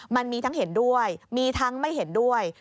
มันมีทั้งเห็นด้วยมีทั้งไม่เห็นด้วย